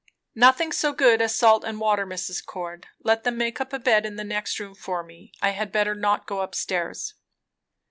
"Nothing so good as salt and water. Mrs. Cord, let them make up a bed in the next room for me. I had better not go up stairs."